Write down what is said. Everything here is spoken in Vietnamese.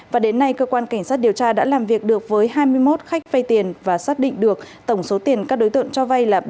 và đến nay cơ quan cảnh sát điều tra đã làm việc được với hai mươi một khách vay tiền và xác định được tổng số tiền các đối tượng cho vay là bốn mươi